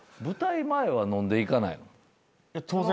舞台前は飲んでいかないの？